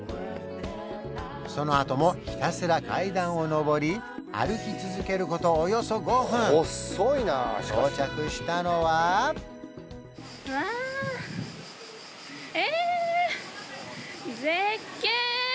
そのあともひたすら階段を上り歩き続けることおよそ５分到着したのはわあえ！